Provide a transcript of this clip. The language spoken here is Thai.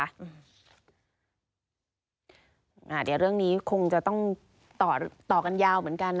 เดี๋ยวเรื่องนี้คงจะต้องต่อกันยาวเหมือนกันนะ